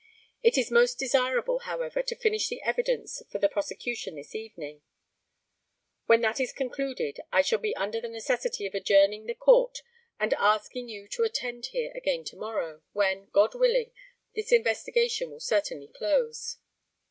It is most desirable, however, to finish the evidence for the prosecution this evening. When that is concluded I shall be under the necessity of adjourning the Court, and asking you to attend here again to morrow, when, God willing, this investigation will certainly close.